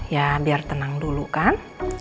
ya biar tenang dulu kan